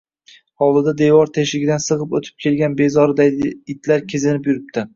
Hovlida devor teshigidan sig‘ib o‘tib kelgan bezori daydi itlar kezinib yuradi